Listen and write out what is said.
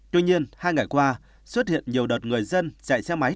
tuy nhiên hai ngày qua xuất hiện nhiều đợt người dân chạy xe máy